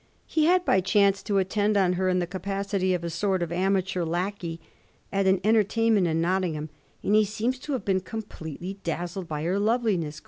He had by chance to attend on her in the capacity of a sort of amateur lackey at an entertainment in Nottingham, and he seems to have been completely dazzled by her loveliness.